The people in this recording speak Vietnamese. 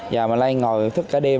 giờ mà nay ngồi thức cả đêm